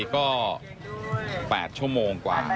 ก็๘ชั่วโมงค่ะ